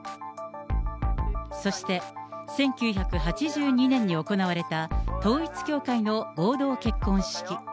そして、１９８２年に行われた統一教会の合同結婚式。